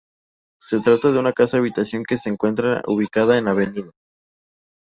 Se trata de una casa habitación que se encuentra ubicada en Av.